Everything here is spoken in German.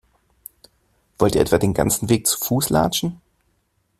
Wollt ihr etwa den ganzen Weg zu Fuß latschen?